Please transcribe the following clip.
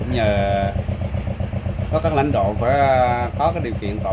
nhờ có các lãnh đạo có điều kiện tổ